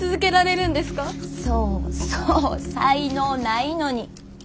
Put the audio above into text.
そうそう才能ないのに。